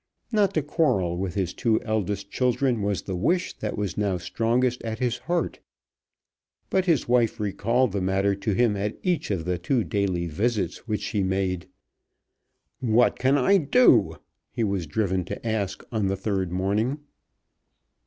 Not to quarrel with his two eldest children was the wish that was now strongest at his heart. But his wife recalled the matter to him at each of the two daily visits which she made. "What can I do?" he was driven to ask on the third morning.